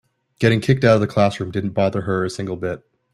Getting kicked out of the classroom didn't bother her a single bit.